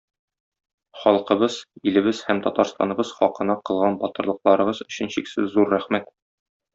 Халкыбыз, илебез һәм Татарстаныбыз хакына кылган батырлыкларыгыз өчен чиксез зур рәхмәт!